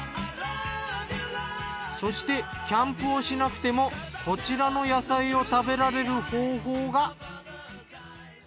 そしてキャンプをしなくてもこちらの野菜を食べられる方法が。